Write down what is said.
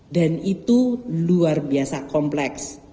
dan itu luar biasa kompleks